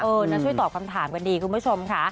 นะช่วยตอบคำถามกันดีคุณผู้ชมค่ะ